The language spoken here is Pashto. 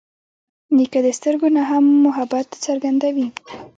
نیکه د سترګو نه هم محبت څرګندوي.